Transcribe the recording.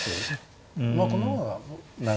まあこの方が長い。